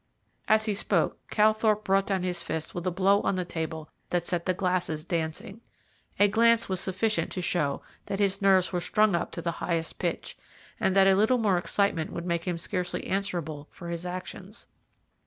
As he spoke Calthorpe brought down his fist with a blow on the table that set the glasses dancing. A glance was sufficient to show that his nerves were strung up to the highest pitch, and that a little more excitement would make him scarcely answerable for his actions.